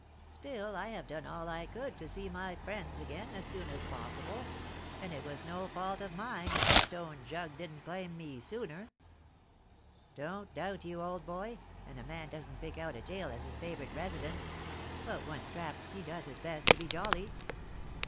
"Still I have done all I could to see my friends again as soon as possible, and it was no fault of mine if the stone jug didn't claim me sooner." "Don't doubt you, old boy! And a man doesn't pick out a gaol as his favourite residence; but once trapped he does his best to be jolly."